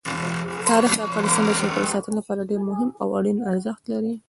تاریخ د افغانستان د چاپیریال ساتنې لپاره ډېر مهم او اړین ارزښت لري.